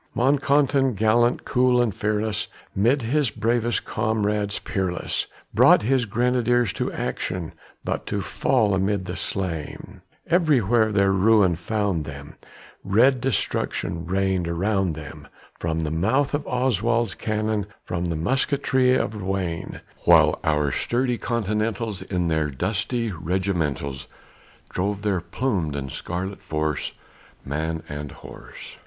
Monckton, gallant, cool, and fearless, 'mid his bravest comrades peerless, Brought his grenadiers to action but to fall amid the slain; Everywhere their ruin found them; red destruction rained around them From the mouth of Oswald's cannon, from the musketry of Wayne; While our sturdy Continentals, in their dusty regimentals, Drove their plumed and scarlet force, man and horse.